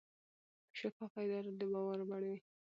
شفافه اداره د باور وړ وي.